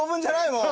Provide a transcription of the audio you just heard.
もう。